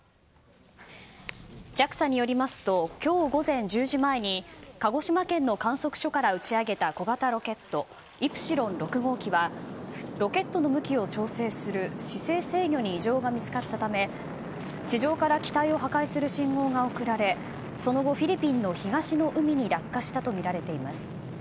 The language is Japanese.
ＪＡＸＡによりますと今日午前１０時前に鹿児島県の観測所から打ち上げた小型ロケット「イプシロン６号機」はロケットの向きを調整する姿勢制御に異常が見つかったため地上から機体を破壊する信号が送られその後、フィリピンの東の海に落下したとみられています。